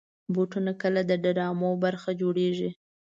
بوټونه کله د ډرامو برخه جوړېږي.